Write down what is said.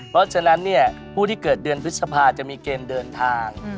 เพราะฉะนั้นผู้ที่เกิดเดือนพฤษภาจะมีเกณฑ์เดินทาง